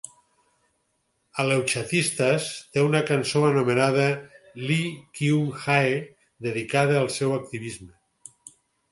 Ahleuchatistas té una cançó anomenada "Lee Kyung Hae", dedicada al seu activisme.